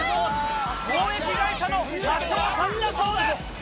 貿易会社の社長さんだそうです。